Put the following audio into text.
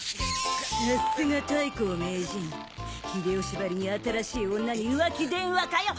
さすが太閤名人秀吉ばりに新しい女に浮気電話かよ。